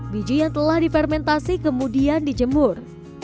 biji yang telah difermentasi kemudian dijemur